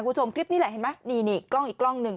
คุณผู้ชมคลิปนี้แหละเห็นไหมนี่นี่กล้องอีกกล้องหนึ่ง